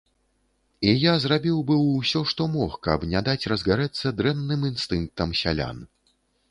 І я зрабіў быў усё, што мог, каб не даць разгарэцца дрэнным інстынктам сялян.